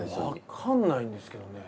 わかんないんですけど。